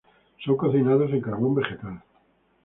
Son cocinados en carbón vegetal.